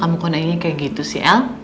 kamu kondainya kayak gitu sih el